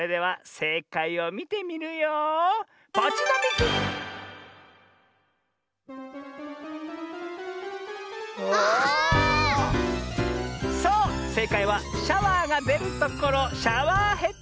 せいかいはシャワーがでるところシャワーヘッド。